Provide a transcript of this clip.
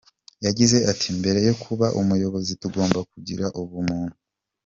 Yagize ati ” Mbere yo kuba umuyobozi tugomba kugira ubumuntu.